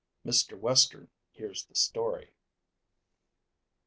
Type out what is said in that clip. MR. WESTERN HEARS THE STORY.